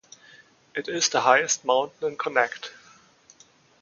It is the highest mountain in Connacht.